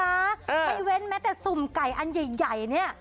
ไม่เว้นมัตต์แต่สุ่มไก่อันใหญ่ไง